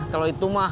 kalau itu mah